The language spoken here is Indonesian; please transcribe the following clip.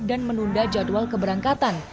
dan menunda jadwal keberangkatan